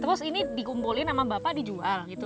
terus ini dikumpulin sama bapak dijual gitu